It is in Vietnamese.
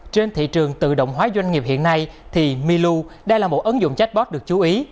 trên thị trường tự động hóa doanh nghiệp hiện nay milu là một ấn dụng chatbot được chú ý